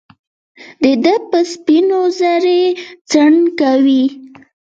دده په سپینواوزري څڼوکې